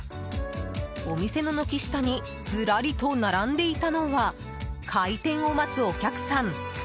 お店の軒下にずらりと並んでいたのは開店を待つお客さん